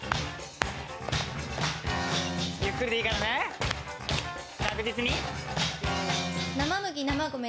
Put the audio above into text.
ゆっくりでいいからね、確実に。